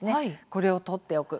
これを撮っておく。